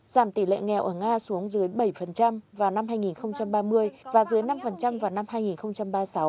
giảm tỷ lệ nghèo ở nga xuống dưới bảy vào năm hai nghìn ba mươi và dưới năm vào năm hai nghìn ba mươi sáu